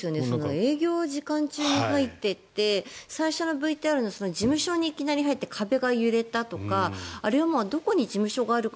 営業時間中に入っていって最初のＶＴＲの事務所にいきなり入って壁が揺れたとかあれはどこに事務所があるか